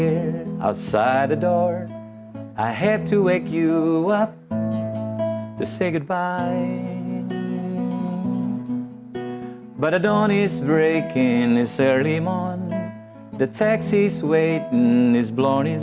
dan saya akan kembali lagi